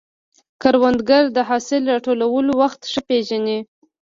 کروندګر د حاصل راټولولو وخت ښه پېژني